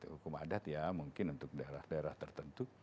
hukum adat ya mungkin untuk daerah daerah tertentu